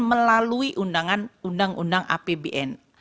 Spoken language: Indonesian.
melalui undangan undang undang apbn